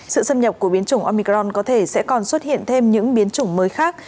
sự xâm nhập của biến chủng omicron có thể sẽ còn xuất hiện thêm những biến chủng mới khác